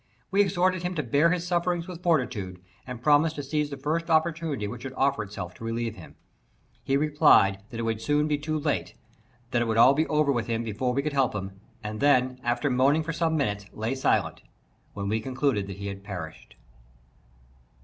We exhorted him to bear his sufferings with fortitude, and promised to seize the first opportunity which should offer itself to relieve him. He replied that it would soon be too late; that it would be all over with him before we could help him; and then, after moaning for some minutes, lay silent, when we concluded that he had perished.